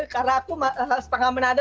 karena aku setengah manado